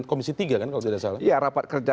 komisi tiga kan kalau tidak salah ya rapat kerja